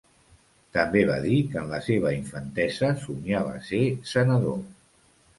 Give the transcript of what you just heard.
També va dir que en la seva infantesa somiava ser senador.